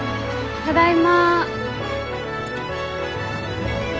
ただいま。